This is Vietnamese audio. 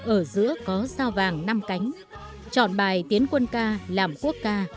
ở giữa có sao vàng năm cánh chọn bài tiến quân ca làm quốc ca